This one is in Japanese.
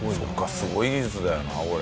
すごい技術だよなこれ。